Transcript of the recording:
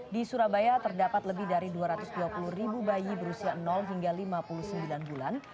di surabaya terdapat lebih dari dua ratus dua puluh ribu bayi berusia hingga lima puluh sembilan bulan